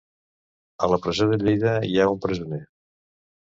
A la presó de Lleida hi ha un presoner.